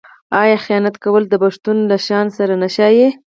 آیا خیانت کول د پښتون له شان سره نه ښايي؟